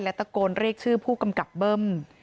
ตะโกนเรียกชื่อผู้กำกับเบิ้ม